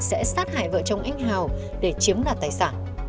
sẽ sát hại vợ chồng anh hào để chiếm đoạt tài sản